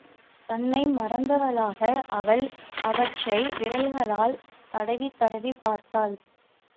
தன்னை மறந்தவளாக அவள் அவற்றை விரல்களால் தடவித் தடவிப் பார்த்தாள்.